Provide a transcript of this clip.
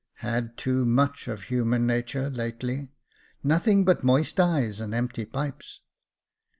Had too much of human natur lately, — nothing but moist eyes and empty pipes.